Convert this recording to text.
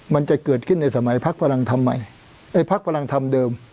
มันจะเกิดขึ้นในสมัยพักพลังธรรมใหม่ไอ้พักพลังธรรมเดิม